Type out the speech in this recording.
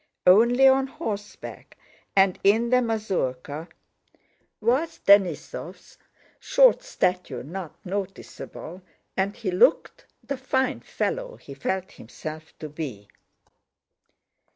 Only on horse back and in the mazurka was Denísov's short stature not noticeable and he looked the fine fellow he felt himself to be.